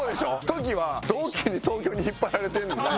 トキは同期に東京に引っ張られてんねんな